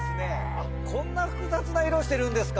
こんな複雑な色してるんですか